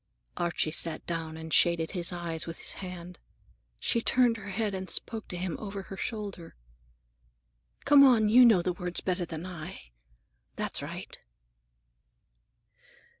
Archie sat down and shaded his eyes with his hand. She turned her head and spoke to him over her shoulder. "Come on, you know the words better than I. That's right."